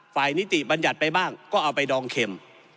นิติบัญญัติไปบ้างก็เอาไปดองเข็ม